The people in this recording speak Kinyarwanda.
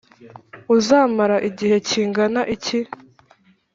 uzamara igihe kingana iki?